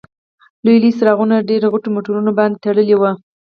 لوی لوی څراغونه پر غټو موټرونو باندې تړلي وو.